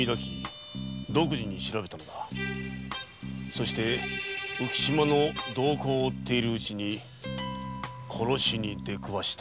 そして浮島の動きを追っているうちに殺しに出くわした。